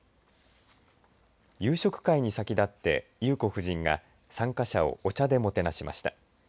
夕食会に先立って、裕子夫人が参加者をお茶でもてなしました。